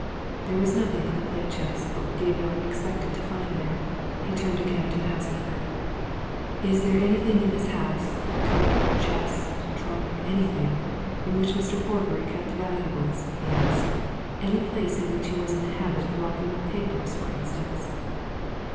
There was nothing in the plate chest but what Gabriel expected to find there. He turned again to the housekeeper. "Is there anything in this house cupboard, chest, trunk, anything in which Mr. Horbury kept valuables?" he asked. "Any place in which he was in the habit of locking up papers, for instance?"